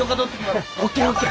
ＯＫＯＫ！